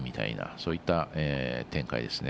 そういった展開ですね。